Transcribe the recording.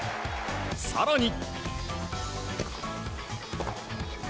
更に。